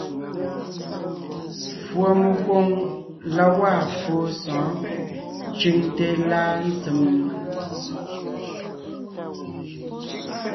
Fùɔmekwoŋ la gwaa fóo sɔ̌ɔn ncʉŋte láa ntsèm?